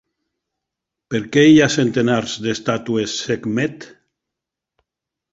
Per què hi ha centenars d'estàtues Sekhmet?